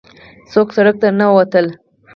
څوک سړک ته نه وتل.